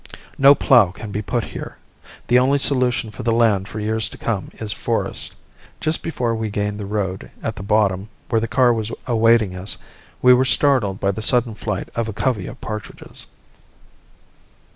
No plough can be put here the only solution for the land for years to come is forest. Just before we gained the road at the bottom, where the car was awaiting us, we were startled by the sudden flight of a covey of partridges.